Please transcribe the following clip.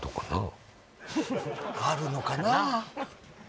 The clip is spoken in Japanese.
あるのかなあ？